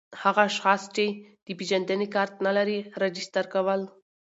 هغه اشخاص چي د پېژندني کارت نلري راجستر کول